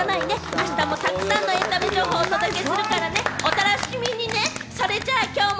あしたもたくさんのエンタメ情報をお届けするからね、お楽しみにね。